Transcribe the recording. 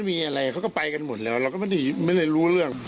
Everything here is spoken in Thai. ก็ไม่มีอะไรเขาก็ไปกันหมดแล้วเราก็ไม่ได้ไม่ได้รู้เรื่อง